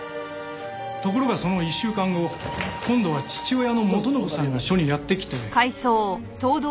ところがその１週間後今度は父親の元信さんが署にやって来て。